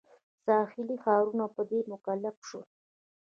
ساحلي ښارونه په دې مکلف شول.